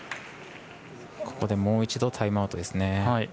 ここでもう一度タイムアウトですね。